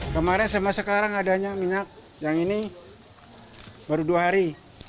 kemarin sama sekarang adanya minyak yang ini baru dua hari